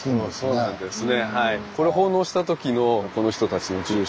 そうなんですね。